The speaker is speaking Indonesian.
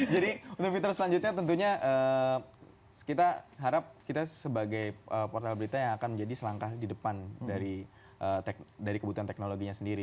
jadi untuk fitur selanjutnya tentunya kita harap kita sebagai portal berita yang akan menjadi selangkah di depan dari kebutuhan teknologinya sendiri